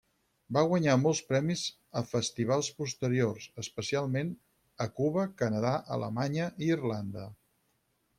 Va guanyar molts premis a festivals posteriors, especialment a Cuba, Canadà, Alemanya i Irlanda.